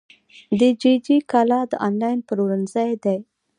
دیجیجی کالا د انلاین پلورنځی دی.